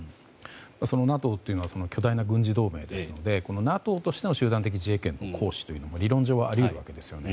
そのＮＡＴＯというのは巨大な軍事同盟ですのでＮＡＴＯとしての集団的自衛権の行使が理論上あり得ますね。